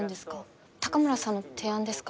高村さんの提案ですか？